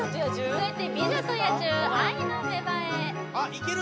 続いて「美女と野獣」「愛の芽生え」